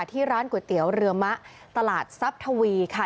ที่ร้านก๋วยเตี๋ยวเรือมะตลาดทรัพย์ทวีค่ะ